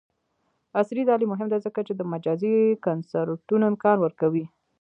عصري تعلیم مهم دی ځکه چې د مجازی کنسرټونو امکان ورکوي.